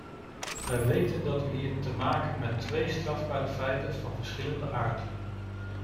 Wij weten dat wij hier te maken met twee strafbare feiten van verschillende aard.